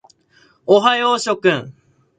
おはよう諸君。